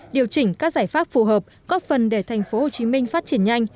điều chỉnh các giải pháp phù hợp góp phần để thành phố hồ chí minh phát triển nhanh